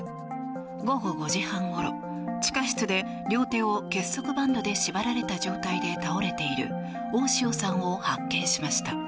午後５時半ごろ、地下室で両手を結束バンドで縛られた状態で倒れている大塩さんを発見しました。